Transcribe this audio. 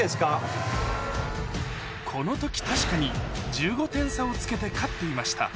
この時確かに１５点差をつけて勝っていました